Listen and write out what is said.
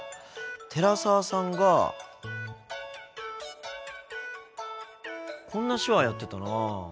寺澤さんがこんな手話やってたな。